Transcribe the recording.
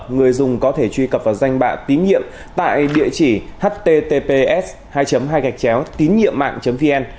người dùng có thể truy cập vào danh bạ tín nhiệm tại địa chỉ https hai hai gạch chéo tín nhiệm mạng vn